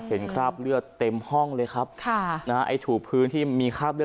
คราบเลือดเต็มห้องเลยครับค่ะนะฮะไอ้ถูกพื้นที่มีคราบเลือ